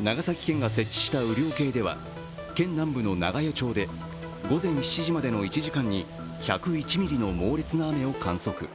長崎県が設置した雨量計では県南部の長与町で午前７時までの１時間に１０１ミリの猛烈な雨を観測。